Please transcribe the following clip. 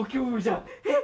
えっ！